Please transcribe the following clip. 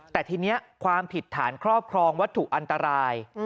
แต่ทีนี้ความผิดฐานครอบครองวัตถุอันตราย